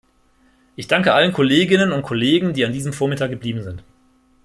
Ich danke allen Kolleginnen und Kollegen, die an diesem Vormittag geblieben sind.